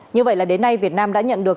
như vậy là đến nay việt nam đã nhận được